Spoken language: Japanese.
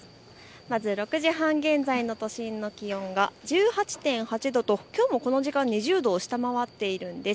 まず６時半現在の都心の気温が１８．８度ときょうもこの時間２０度を下回っているんです。